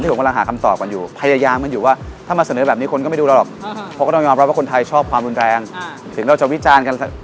ถ้าเทียบสัดส่วนกันผมว่า๘๐๒๐เลย